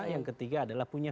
yang ketiga adalah punya